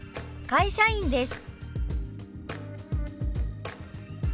「会社員です」。